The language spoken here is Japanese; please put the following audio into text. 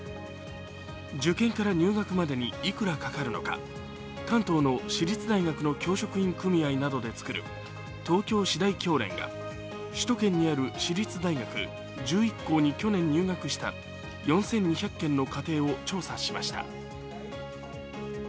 受験から入学までにいくらかかるのか関東の私立大学の教職員組合などで作る東京私大教連が首都圏にある私立大学１１校に去年入学した４２００件の家庭を取材しました。